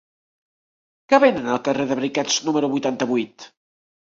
Què venen al carrer de Briquets número vuitanta-vuit?